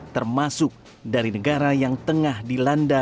termasuk dari negara yang tengah dilanda